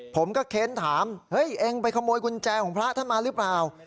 ผมก็เค้นถามเฮ้ยเองไปขโมยกุญแจของพระท่านมาหรือเปล่า